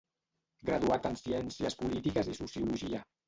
Graduat en Ciències Polítiques i Sociologia.